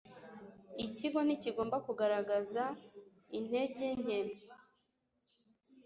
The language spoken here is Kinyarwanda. Ikigo ntikigomba kugaragaza integer nke